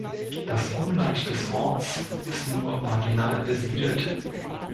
Das Umland des Orts ist nur marginal besiedelt.